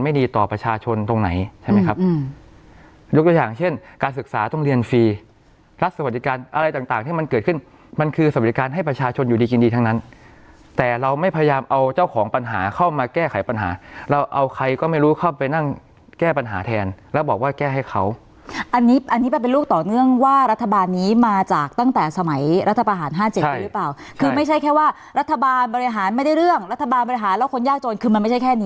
มีทั้งนั้นแต่เราไม่พยายามเอาเจ้าของปัญหาเข้ามาแก้ไขปัญหาเราเอาใครก็ไม่รู้เข้าไปนั่งแก้ปัญหาแทนแล้วบอกว่าแก้ให้เขาอันนี้อันนี้เป็นลูกต่อเนื่องว่ารัฐบาลนี้มาจากตั้งแต่สมัยรัฐบาลหาด๕๗ปีหรือเปล่าคือไม่ใช่แค่ว่ารัฐบาลบริหารไม่ได้เรื่องรัฐบาลบริหารแล้วคนยากโจรคือมันไม่ใช่แค่